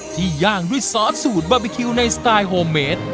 ย่างด้วยซอสสูตรบาร์บีคิวในสไตล์โฮเมด